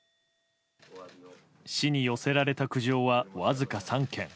市に寄せられた苦情は僅か３件。